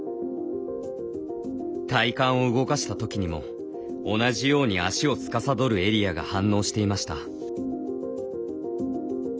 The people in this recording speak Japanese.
体幹を動かしたときにも同じように足をつかさどるエリアが反応していました。